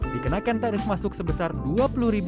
dikenakan tarif masuk sebesar rp dua puluh per orang